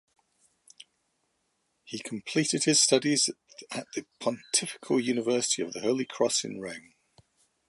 He completed his studies at the Pontifical University of the Holy Cross in Rome.